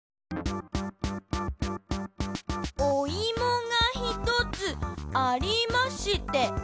「おいもがひとつありまして」